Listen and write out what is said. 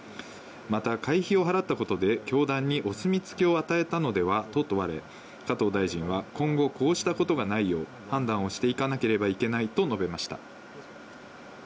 また、会費を払ったことで教団にお墨付きを与えたのではと問われ、加藤大臣は、今後、こうしたことはないよう、判断をしていかなければいけないと述べました。